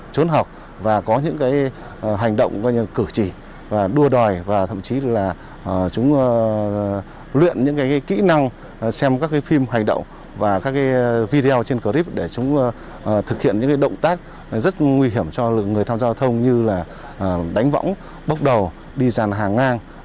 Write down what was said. chốn học và có những hành động cử chỉ đua đòi và thậm chí là chúng luyện những kỹ năng xem các phim hành động và các video trên clip để chúng thực hiện những động tác rất nguy hiểm cho người tham gia giao thông như là đánh võng bốc đầu đi giàn hàng ngang